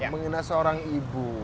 menghina seorang ibu